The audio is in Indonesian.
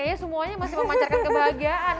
kayaknya semuanya masih memancarkan kebahagiaan